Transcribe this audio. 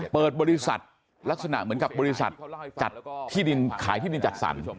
เปิดบริษัทลักษณะเหมือนกับบริษัทจัดที่ดินขายที่ดินจัดสรร